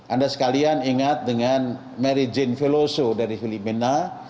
anda sekalian ingat dengan mary jane veloso dari filipina